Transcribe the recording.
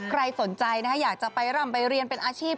ใครสนใจอยากจะไปร่ำไปเรียนเป็นอาชีพ